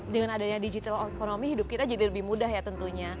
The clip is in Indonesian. dengan adanya digital ekonomi hidup kita jadi lebih mudah ya tentunya